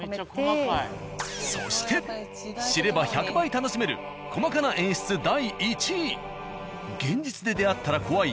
そして知れば１００倍楽しめる細かな演出第１位。